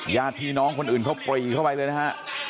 ญาติพี่น้องคนอื่นเขาปรีเข้าไปเลยนะฮะ